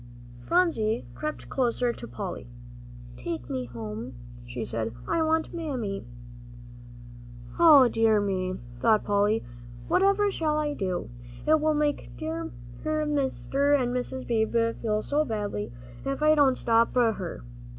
Phronsie crept closer to Polly. "Take me home," she said. "I want my Mammy." "O dear me," thought Polly, "whatever shall I do! It will make dear Mr. and Mrs. Beebe feel so badly if I don't stop her.